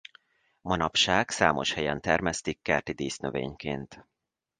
Manapság számos helyen termesztik kerti dísznövényként.